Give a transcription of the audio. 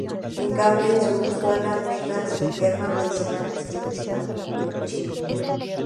En cambio es más usual agregar hierbas medicinales y especias al vino chino.